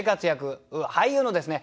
俳優のですね